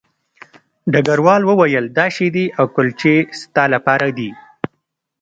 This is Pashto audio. ډګروال وویل دا شیدې او کلچې ستا لپاره دي